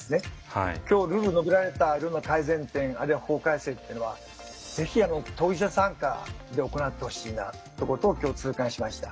今日述べられたような改善点あるいは法改正っていうのはぜひ当事者参加で行ってほしいなってことを今日痛感しました。